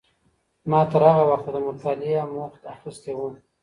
ما تر هغه وخته د مطالعې اموخت اخیستی و.